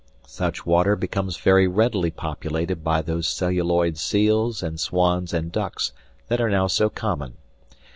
Such water becomes very readily populated by those celluloid seals and swans and ducks that are now so common.